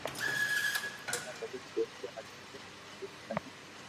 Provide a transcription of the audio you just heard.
ڀورا ڀگت چور تو ھاچو ھي ھون صرف ٿني